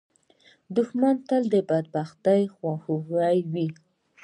دښمن تل د بدبختۍ خواخوږی وي